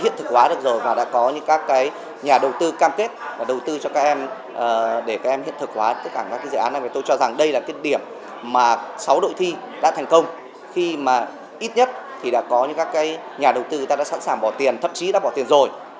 thì đã có những các nhà đầu tư đã sẵn sàng bỏ tiền thậm chí đã bỏ tiền rồi